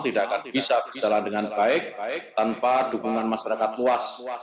tidak akan bisa berjalan dengan baik baik tanpa dukungan masyarakat luas